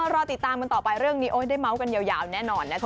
รอติดตามกันต่อไปเรื่องนี้โอ๊ยได้เมาส์กันยาวแน่นอนนะจ๊